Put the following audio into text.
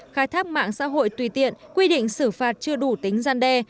khai thác mạng xã hội tùy tiện quy định xử phạt chưa đủ tính gian đe